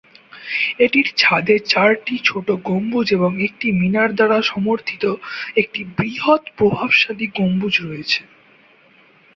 এটির ছাদে চারটি ছোট গম্বুজ এবং একটি মিনার দ্বারা সমর্থিত একটি বৃহৎ প্রভাবশালী গম্বুজ রয়েছে।